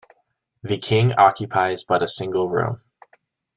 The king occupies but a single room.